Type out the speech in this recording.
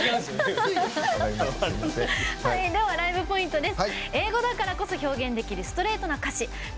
ライブポイントです。